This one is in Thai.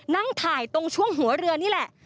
นั่งถ่ายตรงช่วงหัวเรือนี่แหละ